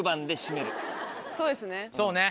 そうですね。